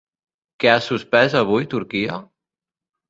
Què ha suspès avui Turquia?